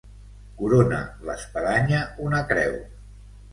Corona l'espadanya una creu.